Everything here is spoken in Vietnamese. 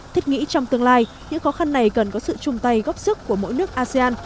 thiết nghĩ trong tương lai những khó khăn này cần có sự chung tay góp sức của mỗi nước asean